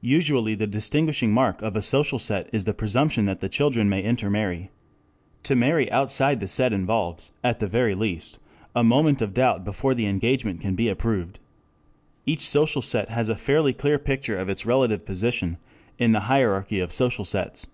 Usually the distinguishing mark of a social set is the presumption that the children may intermarry. To marry outside the set involves, at the very least, a moment of doubt before the engagement can be approved. Each social set has a fairly clear picture of its relative position in the hierarchy of social sets.